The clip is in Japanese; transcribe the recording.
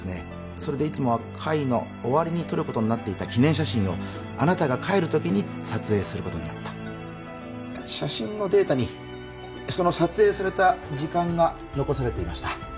それでいつもは会の終わりに撮る記念写真をあなたが帰るときに撮影することになった写真のデータにその撮影された時間が残されていました